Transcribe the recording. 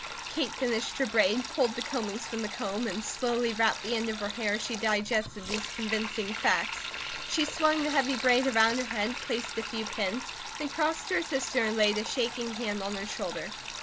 Kate finished her braid, pulled the combings from the comb and slowly wrapped the end of her hair as she digested these convincing facts. She swung the heavy braid around her head, placed a few pins, then crossed to her sister and laid a shaking hand on her shoulder.